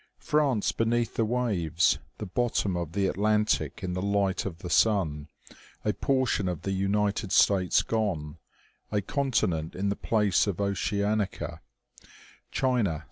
France beneath the waves, the bottom of the At lantic in the light of the sun, a portion of the United States gone, a continent in the place of Oceanica, China 2l6 OMEGA.